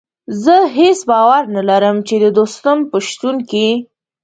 زه هېڅ باور نه لرم چې د دوستم په شتون کې.